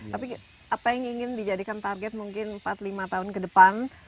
tapi apa yang ingin dijadikan target mungkin empat lima tahun ke depan